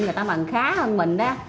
người ta bằng khá hơn mình đó